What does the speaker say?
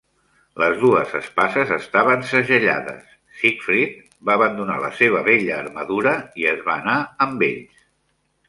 Les dues espases estaven segellades, Siegfried va abandonar la seva vella armadura i es va anar amb ells.